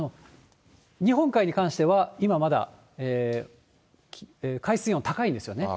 日本海に関しては、今まだ、海水温が高いんですよね。